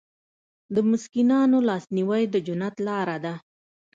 د مسکینانو لاسنیوی د جنت لاره ده.